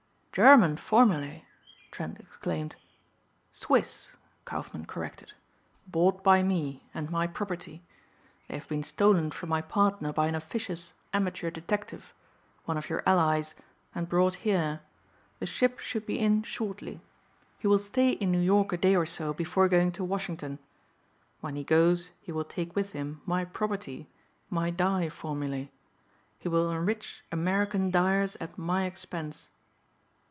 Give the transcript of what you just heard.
"German formulae!" Trent exclaimed. "Swiss," Kaufmann corrected, "bought by me, and my property. They have been stolen from my partner by an officious amateur detective one of your allies and brought here. The ship should be in shortly. He will stay in New York a day or so before going to Washington. When he goes he will take with him my property, my dye formulae. He will enrich American dyers at my expense."